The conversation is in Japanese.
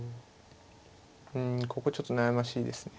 うんここちょっと悩ましいですね。